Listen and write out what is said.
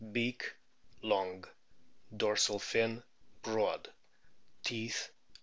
Beak long. Dorsal fin broad. Teeth, 48.!